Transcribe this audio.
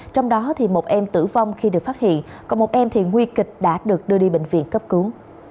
trong đó một em tử vong khi được phát hiện còn một em thì nguy kịch đã được đưa đi bệnh viện cấp cứu